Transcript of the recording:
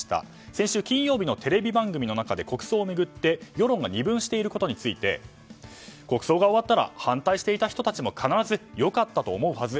先週金曜日のテレビ番組の中で国葬を巡って世論が二分していることについて国葬が終わったら反対していた人たちも必ず良かったと思うはず